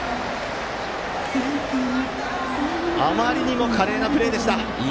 あまりにも華麗なプレーでした。